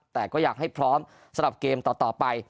แต่ก็อยากให้พร้อมสำหรับเกมต่อไป